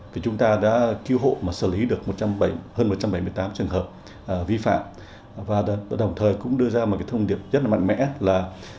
thì chúng ta đã cứu hộ mà xử lý được hơn một trăm bảy mươi tám trường hợp vi phạm và đồng thời cũng đưa ra một cái thông điệp rất là mạnh mẽ là